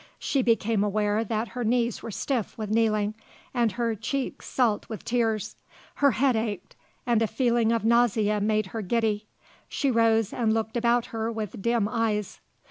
She became aware that her knees were stiff with kneeling and her cheeks salt with tears. Her head ached and a feeling of nausea made her giddy. She rose and looked about her with dim eyes.